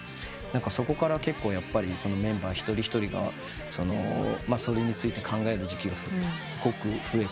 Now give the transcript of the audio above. そこからメンバー一人一人がそれについて考える時期がすごく増えて。